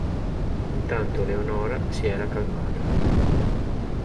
Intanto, Leonora s'era calmata.